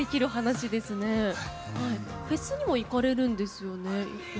フェスにも行かれるんですよね